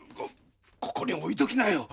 こここに置いときなよ。